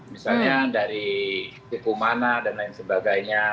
misalnya dari tiku mana dan lain sebagainya